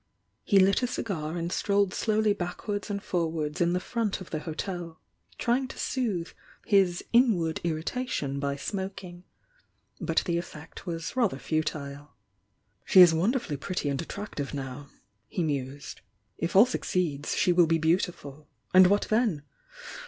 He lit a cigar and strolled slowly backwards and forwards in the front of the hotel, trying to soothe his inward irritation by smoking, but the effect was rather futile. "She is wonderfully pretty and attractive now," he mused. "If all succeeds she will be beautiful. And what then?